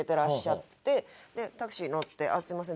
でタクシー乗って「すいません。